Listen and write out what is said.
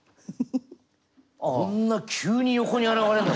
こんな急に横に現れんの！